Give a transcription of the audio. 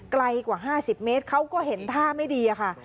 ไกลกว่า๕๐เมตรเขาก็เห็นท่าไม่ดีค่ะ